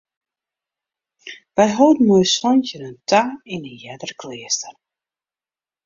Wy holden mei ús santjinnen ta yn in earder kleaster.